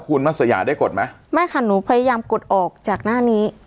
คุณมัศยาได้กดไหมไม่ค่ะหนูพยายามกดออกจากหน้านี้